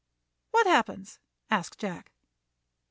"What happens?" asked Jack.